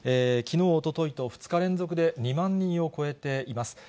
きのう、おとといと２日連続で２万人を超えています。